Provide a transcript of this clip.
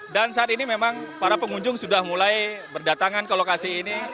dan saat ini memang para pengunjung sudah mulai berdatangan ke lokasi ini